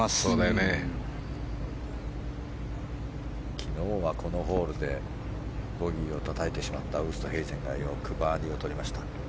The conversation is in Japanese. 昨日はこのホールでボギーをたたいてしまったウーストヘイゼンがよくバーディーを取りました。